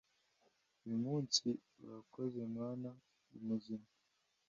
buri munsi, urakoze mana ndi muzima